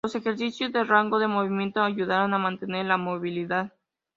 Los ejercicios de rango de movimiento ayudarán a mantener la movilidad.